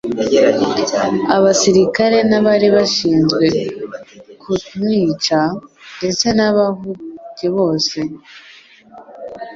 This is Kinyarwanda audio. abasirikare n'abari bashinzwe ktunwica ndetse n'abahu-age bose,